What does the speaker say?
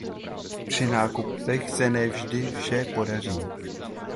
Při nákupech se ne vždy vše podaří.